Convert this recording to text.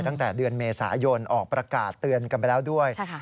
ตั้งแต่เดือนเมษายนออกประกาศเตือนกันไปแล้วด้วย